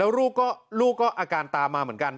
แล้วลูกก็อาการตามมาเหมือนกัน